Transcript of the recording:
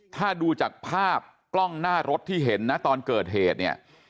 ถ้าดูจากภาพกล้องหน้ารถที่เห็นนะตอนเกิดเหตุเนี่ย